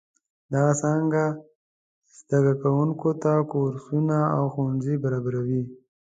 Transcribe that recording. دغه څانګه زده کوونکو ته کورسونه او ښوونځي برابروي.